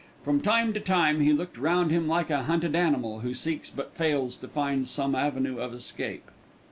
From time to time he looked round him like a hunted animal who seeks but fails to find some avenue of escape.